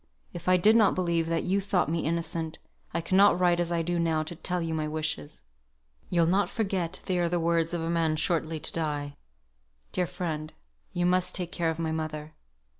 If I did not believe that you thought me innocent, I could not write as I do now to tell you my wishes. You'll not forget they are the wishes of a man shortly to die. Dear friend, you must take care of my mother.